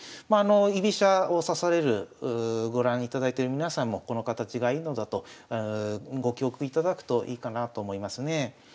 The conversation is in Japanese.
居飛車を指されるご覧いただいてる皆さんもこの形がいいのだとご記憶いただくといいかなと思いますね。